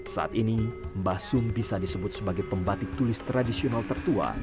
saat ini mbah sum bisa disebut sebagai pembatik tulis tradisional tertua